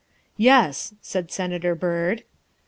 ''" Yes," said Senator Byrd.